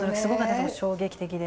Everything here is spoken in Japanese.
衝撃的で。